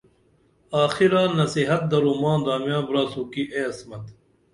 آخرا نصیحت درو ماں دامیاں براسُو کی اے عصمت